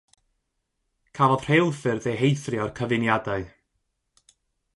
Cafodd rheilffyrdd eu heithrio o'r cyfuniadau.